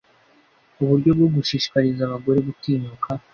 uburyo bwo gushishikariza abagore gutinyuka